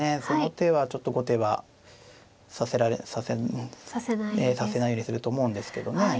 その手はちょっと後手はさせないようにすると思うんですけどね。